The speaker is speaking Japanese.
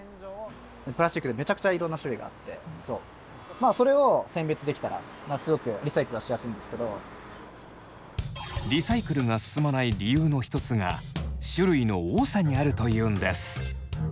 まあそれをリサイクルが進まない理由の一つが種類の多さにあるというんです。